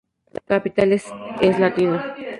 La capital es Slatina.